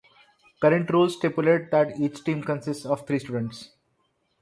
Current rules stipulate that each team consist of three students.